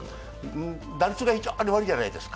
打率が非常に悪いじゃないですか。